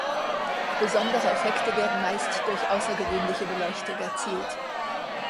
Besondere Effekte werden meist durch außergewöhnliche Beleuchtung erzielt.